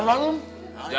ah sudah nanti masa gaul